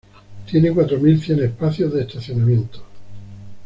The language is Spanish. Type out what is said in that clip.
Tiene cuatro mil cien espacios de estacionamientos.